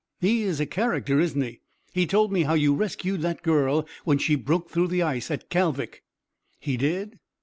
"He is a character, isn't he? He told me how you rescued that girl when she broke through the ice at Kalvik." "He did?"